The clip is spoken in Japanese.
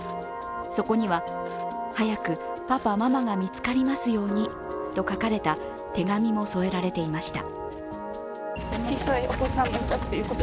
そこには「早く、パパ、ママが見つかりますように」と書かれた手紙も添えられていました。